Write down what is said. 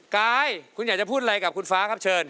กายคุณอยากจะพูดอะไรกับคุณฟ้าครับเชิญ